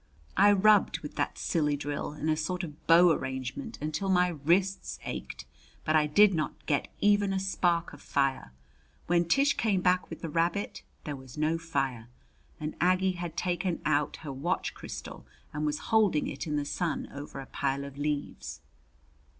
I rubbed with that silly drill and a sort of bow arrangement until my wrists ached, but I did not get even a spark of fire. When Tish came back with the rabbit there was no fire, and Aggie had taken out her watch crystal and was holding it in the sun over a pile of leaves.